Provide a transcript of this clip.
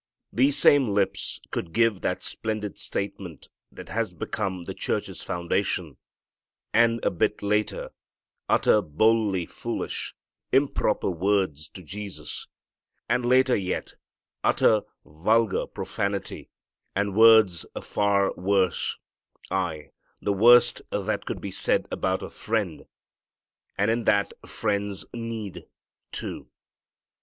These same lips could give that splendid statement that has become the church's foundation; and, a bit later, utter boldly foolish, improper words to Jesus; and, later yet, utter vulgar profanity, and words far worse, aye, the worst that could be said about a friend, and in that friend's need, too.